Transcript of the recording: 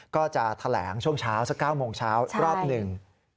ก็จะแถลงช่วงเช้าสัก๙โมงเช้ารอบหนึ่ง